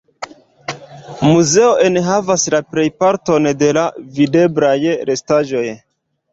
Muzeo enhavas la plejparton de la videblaj restaĵoj.